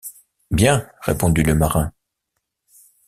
Bien, répondit le marin.